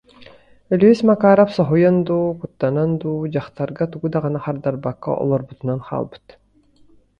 Өлүөс Макаарап соһуйан дуу, куттанан дуу дьахтарга тугу даҕаны хардарбакка олорбутунан хаалбыт